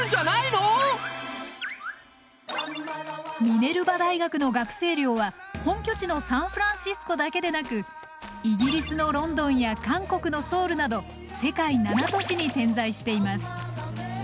ミネルバ大学の学生寮は本拠地のサンフランシスコだけでなくイギリスのロンドンや韓国のソウルなど世界７都市に点在しています。